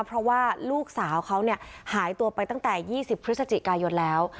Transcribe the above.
เพราะว่าลูกสาวเขาหายตัวไปตั้งแต่๒๐พฤศจิกายนแล้ว